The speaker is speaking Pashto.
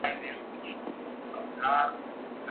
ولي منفي لیدلوری هر فرصت په ستونزه بدلوي؟